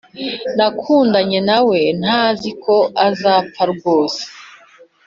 nakundanye nawe ntaziko azapfa rwose